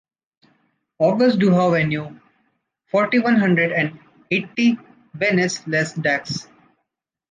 August Duhau Avenue, forty, one hundred and eighty Bénesse-lès-Dax